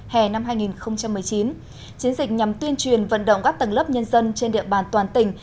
hè năm hai nghìn một mươi chín chiến dịch nhằm tuyên truyền vận động các tầng lớp nhân dân trên địa bàn toàn tỉnh